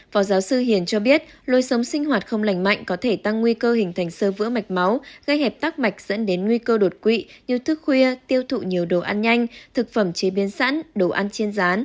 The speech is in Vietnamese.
phó giáo sư hiền cho biết lôi sống sinh hoạt không lành mạnh có thể tăng nguy cơ hình thành sơ vữa mạch máu gây hẹp tắc mạch dẫn đến nguy cơ đột quỵ như thức khuya tiêu thụ nhiều đồ ăn nhanh thực phẩm chế biến sẵn đồ ăn trên rán